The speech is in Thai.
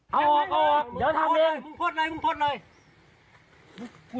เอาออกเดี๋ยวทำเลยมึงโพสต์หน่อย